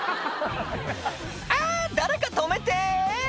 「あぁ誰か止めて！」